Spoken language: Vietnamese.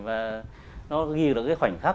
và nó ghi được cái khoảnh khắc